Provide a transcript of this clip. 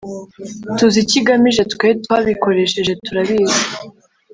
tuzi icyo igamije, twe twabikoresheje turabizi